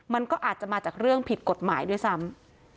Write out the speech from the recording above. มันก็อาจจะมาจากเรื่องผิดกฎหมายด้วยซ้ำ